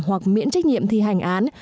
hoặc miễn trách nhiệm thi hành án